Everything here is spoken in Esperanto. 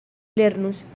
lernus